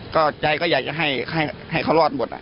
ก็ใจก็อยากจะให้เขารอดหมด